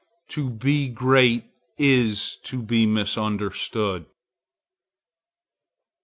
To be great is to be misunderstood.